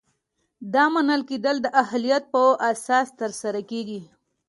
دا منل کیدل د اهلیت په اساس ترسره کیږي.